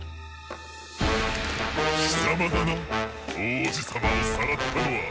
きさまだな王子様をさらったのは。